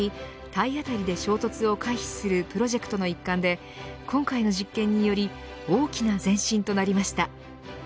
体当たりで衝突を回避するプロジェクトの一環で今回の実験により大きな前進となりました。